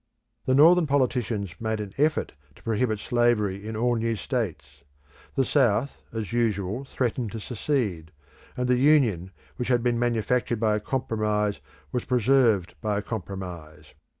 The Northern politicians made an effort to prohibit slavery in all new states; the South as usual threatened to secede, and the Union which had been manufactured by a compromise was preserved by a compromise.